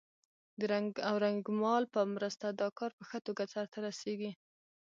د رنګ او رېګمال په مرسته دا کار په ښه توګه سرته رسیږي.